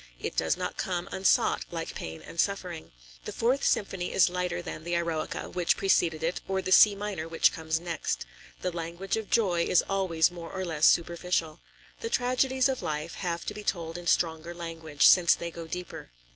It does not come unsought like pain and suffering. The Fourth Symphony is lighter than the "Eroica" which preceded it, or the C minor which comes next. The language of joy is always more or less superficial. The tragedies of life have to be told in stronger language, since they go deeper.